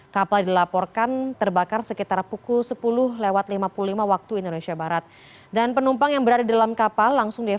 kapal dilaporkan terbakar sekitar pukul sebelas